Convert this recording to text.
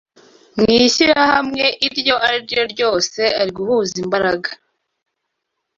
mu ishyirahamwe iryo ari ryo ryose ari uguhuza imbaraga